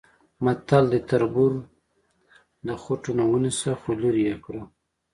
متل دی: تربور د خوټونه ونیسه خولرې یې کړه.